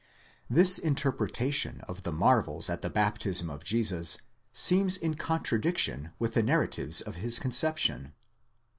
This interpretation of the marvels at the baptism of Jesus seems in con tradiction with the narratives of his conception.